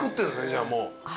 じゃあもう。